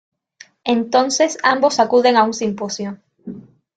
Entonces ambos acuden a un simposio.